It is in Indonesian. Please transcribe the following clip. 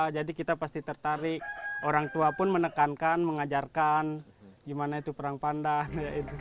jadi kita pasti tertarik orang tua pun menekankan mengajarkan gimana itu perang pandan